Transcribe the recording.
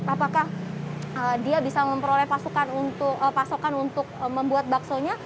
apakah dia bisa memperoleh pasokan untuk membuat baksonya